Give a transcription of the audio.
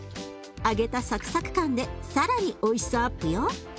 揚げたサクサク感で更においしさアップよ。